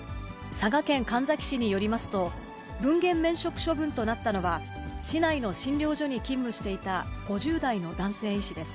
佐賀県神埼市によりますと、分限免職処分となったのは、市内の診療所に勤務していた５０代の男性医師です。